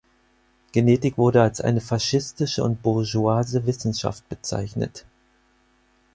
Genetik wurde als eine „faschistische und bourgeoise Wissenschaft“ bezeichnet.